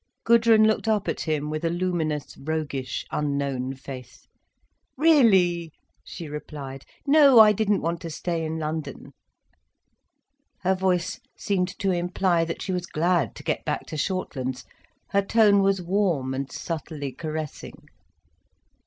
Gudrun looked up at him with a luminous, roguish, unknown face. "Really!" she replied. "No, I didn't want to stay in London." Her voice seemed to imply that she was glad to get back to Shortlands, her tone was warm and subtly caressing.